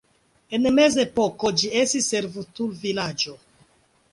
En mezepoko ĝi estis servutulvilaĝo.